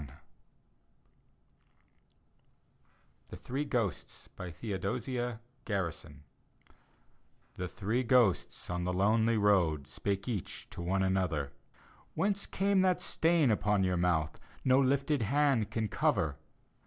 D,gt,, erihyGOOgle The Three Ghosts THE THREE GHOSTS : theodosia garrison The three ghosts on the lonely load, Spalcc cadi to one another, " Whence came that stain upon your mouth No lifted hand can cover?"